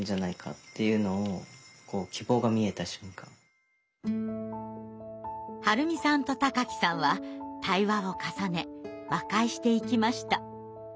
初めて春美さんと貴毅さんは対話を重ね和解していきました。